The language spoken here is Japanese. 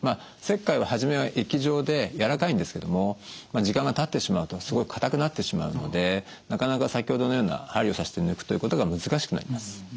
石灰は初めは液状でやわらかいんですけども時間がたってしまうとすごいかたくなってしまうのでなかなか先ほどのような針を刺して抜くということが難しくなります。